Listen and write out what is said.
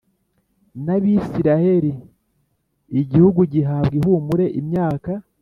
n Abisirayeli igihugu gihabwa ihumure imyaka